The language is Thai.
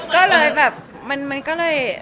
ก็เลยแบบมันก็เลย